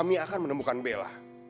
kami akan menemukan bella